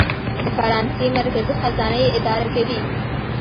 د فرانسې مرکزي خزانه یې اداره کوي.